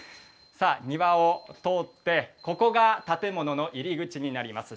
庭を通って、ここが建物の入り口になります。